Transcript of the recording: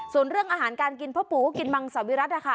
ส่วนเรื่องอาหารการกินพ่อปู่ก็กินมังสวิรัตินะคะ